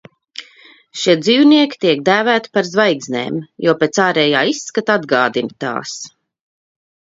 "Šie dzīvnieki tiek dēvēti par "zvaigznēm", jo pēc ārējā izskata atgādina tās."